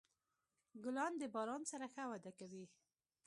ګلان د باران سره ښه وده کوي.